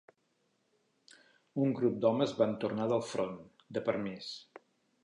Un grup d'homes van tornar del front, de permís.